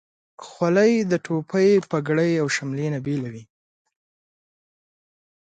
خولۍ د ټوپۍ، پګړۍ، او شملې نه بیله وي.